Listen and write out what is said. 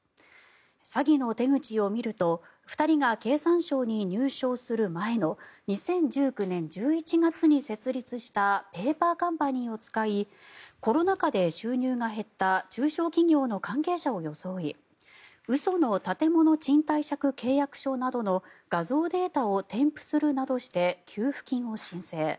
詐欺の手口を見ると２人が経産省に入省する前の２０１９年１１月に設立したペーパーカンパニーを使いコロナ禍で収入が減った中小企業の関係者を装い嘘の建物賃貸借契約書などの画像データを添付するなどして給付金を申請。